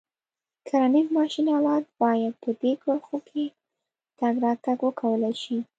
کرنیز ماشین آلات باید په دې کرښو کې تګ راتګ وکولای شي.